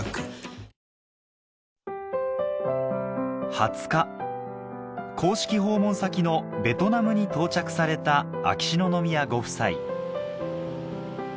２０日公式訪問先のベトナムに到着された秋篠宮ご夫妻